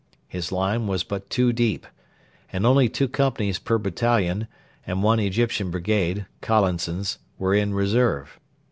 His line was but two deep; and only two companies per battalion and one Egyptian brigade (Collinson's) were in reserve.